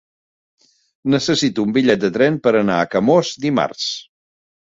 Necessito un bitllet de tren per anar a Camós dimarts.